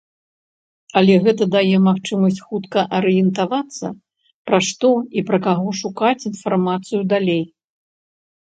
Але гэта дае магчымасць хутка арыентавацца, пра што і пра каго шукаць інфармацыю далей.